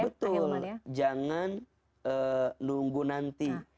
betul jangan nunggu nanti